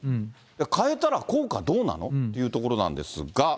変えたら効果どうなの？というところなんですが。